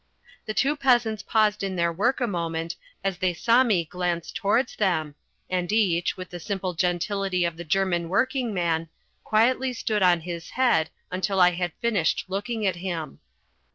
The two peasants paused in their work a moment as they saw me glance towards them, and each, with the simple gentility of the German working man, quietly stood on his head until I had finished looking at him.